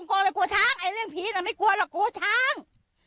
กลัวเลยกลัวช้างไอ้เรื่องผีน่ะไม่กลัวหรอกกลัวช้าง